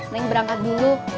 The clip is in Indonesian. neng berangkat dulu